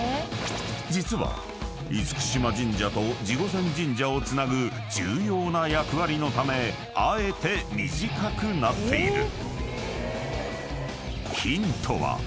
［実は嚴島神社と地御前神社をつなぐ重要な役割のためあえて短くなっている］